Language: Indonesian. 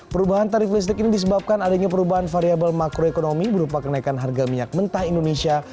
perubahan tarif listrik ini disebabkan adanya perubahan variable makroekonomi berupa kenaikan harga minyak mentah indonesia